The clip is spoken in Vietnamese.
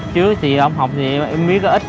trước thì không học thì em biết ít